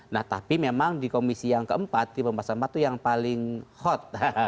nah tapi memang di komisi yang keempat di pembahasan keempat itu yang paling hot